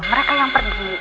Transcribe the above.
mereka yang pergi